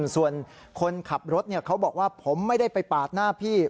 ส่วนคนขับรถเขาบอกว่าผมไม่ได้ไปปาดหน้าพี่